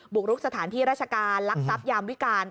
บุกรุกสถานที่รัชกาลรับทรัพยาววิการ